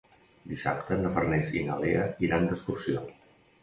Dissabte na Farners i na Lea iran d'excursió.